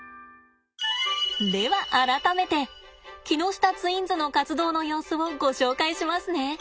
では改めて木下ツインズの活動の様子をご紹介しますね。